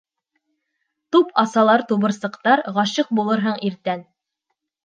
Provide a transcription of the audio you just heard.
Туп асалар тубырсыҡтар, Ғашиҡ булырһың иртән.